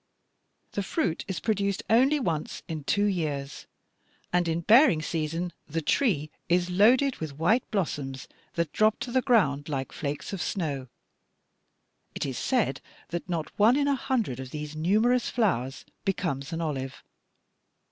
The fruit is produced only once in two years, and in bearing season the tree is loaded with white blossoms that drop to the ground like flakes of snow. It is said that not one in a hundred of these numerous flowers becomes an olive.